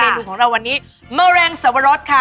ในนี้ของเราวันนี้เมรงสวรรดะค่ะ